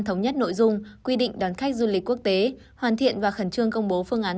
thống nhất nội dung quy định đón khách du lịch quốc tế hoàn thiện và khẩn trương công bố phương án